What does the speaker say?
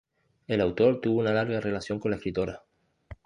El autor tuvo una larga relación con la escritora.